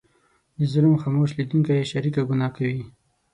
د ظلم خاموش لیدونکی شریکه ګناه کوي.